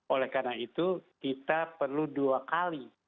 oleh karena itu kita perlu dua kali